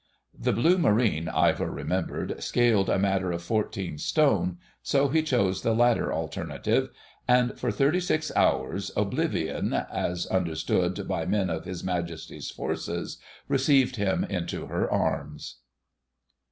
The Blue Marine, Ivor remembered, scaled a matter of fourteen stone, so he chose the latter alternative, and for thirty six hours Oblivion, as understood by men of His Majesty's Forces, received him into her arms.